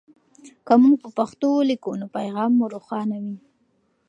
که موږ په پښتو ولیکو نو پیغام مو روښانه وي.